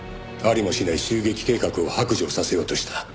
「ありもしない襲撃計画を白状させようとした」